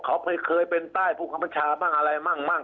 เขาเคยเป็นใต้ภูเขาประชาบ้างอะไรบ้างบ้าง